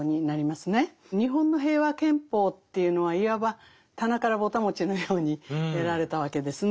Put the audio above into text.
日本の平和憲法というのはいわば棚からぼた餅のように得られたわけですね。